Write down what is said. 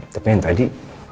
tapi yang tadi